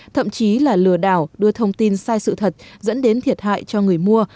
thậm chí là lừa đảo đưa thông tin sai sự thật dẫn đến thiệt hại cho người mua